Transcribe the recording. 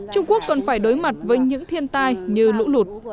trung quốc còn phải đối mặt với những thiên tai như lũ lụt